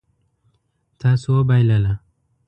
تاسو وبایلله